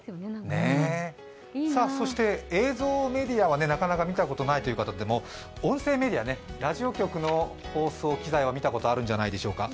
そして映像メディアはなかなか見たことないという方でも音声メディア、ラジオ局の放送機材は見たことあるんじゃないでしょうか。